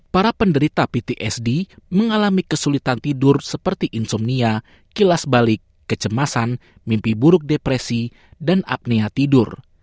para penderita ptsd mengalami kesulitan tidur seperti insomnia kilas balik kecemasan mimpi buruk depresi dan apnea tidur